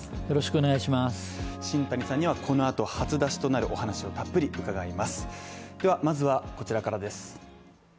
新谷さんにはこの後初出しとなるお話をたっぷり伺います。